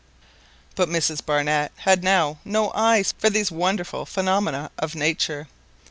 But Mrs Barnett had now no eyes for these wonderful phenomena of nature.